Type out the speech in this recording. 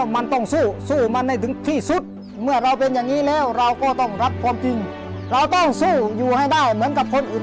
ผมก็ไม่รู้ว่าจะอีกตอบแทนยังไงนะครับเนอะ